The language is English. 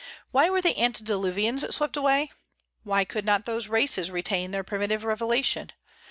Why were the antediluvians swept away? Why could not those races retain their primitive revelation?